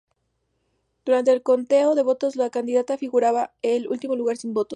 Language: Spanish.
Durante el conteo de votos, la candidata figuraba en último lugar y sin votos.